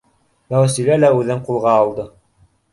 Мәүсилә лә үҙен ҡулға алды: